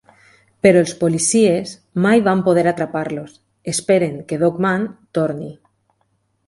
Però els policies mai van poder atrapar-los, esperen que Dog Man torni.